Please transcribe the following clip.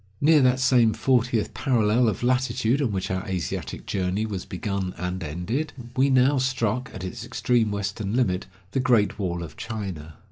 Near that same fortieth parallel of latitude on which our Asiatic journey was begun and ended, we now struck, at its extreme western limit, the Great Wall of China.